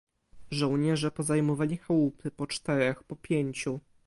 "Żołnierze pozajmowali chałupy, po czterech, po pięciu."